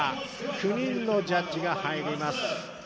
９人のジャッジが入ります。